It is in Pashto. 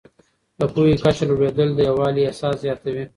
د پوهې کچه لوړېدل د یووالي احساس زیاتوي.